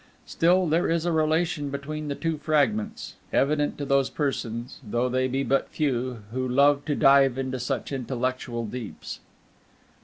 Still, there is a relation between the two fragments, evident to those persons though they be but few who love to dive into such intellectual deeps.